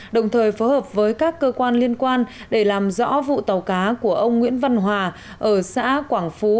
đồng thời phối hợp với các cơ quan liên quan để làm rõ vụ tàu cá của ông nguyễn văn hòa ở xã quảng phú